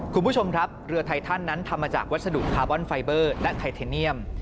คุณผู้ชมครับเรือไททันนั้นทำมาจากวัสดุคาร์บอนไฟเบอร์และไทเทเนียม